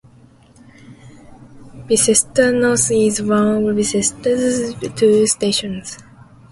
Bicester North is one of Bicester's two stations.